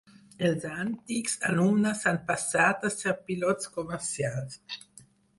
Els antics alumnes han passat a ser pilots comercials.